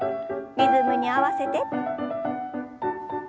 リズムに合わせて。